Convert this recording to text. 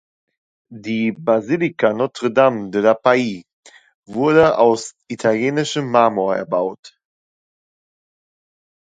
Die Basilika Notre-Dame de la Paix wurde aus italienischem Marmor erbaut.